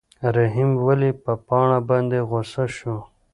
رحیم ولې په پاڼه باندې غوسه شو؟